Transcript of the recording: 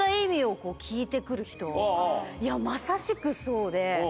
まさしくそうで。